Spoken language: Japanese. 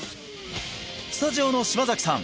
スタジオの島崎さん